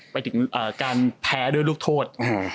ไปถึงการแพ้ด้วยลูกโทษ